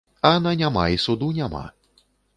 А на няма і суду няма.